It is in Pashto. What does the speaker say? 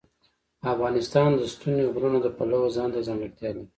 افغانستان د ستوني غرونه د پلوه ځانته ځانګړتیا لري.